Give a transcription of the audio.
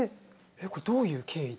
これどういう経緯で？